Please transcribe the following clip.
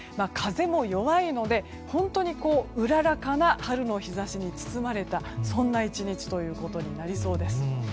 風も弱いので本当にうららかな春の日差しに包まれた、そんな１日ということになりそうです。